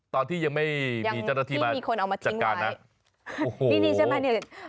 ตอนที่ยังไม่มีเจ้าหน้าที่มาจัดการนะโอ้โฮยังไม่มีคนเอามาทิ้งไว้